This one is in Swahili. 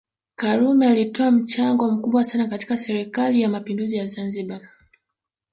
karume alitoa mchango mkubwa sana katika serikali ya mapinduzi ya Zanzibar